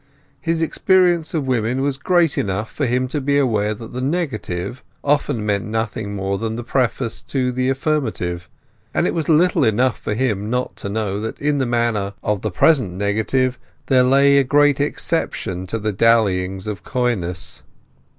His experience of women was great enough for him to be aware that the negative often meant nothing more than the preface to the affirmative; and it was little enough for him not to know that in the manner of the present negative there lay a great exception to the dallyings of coyness.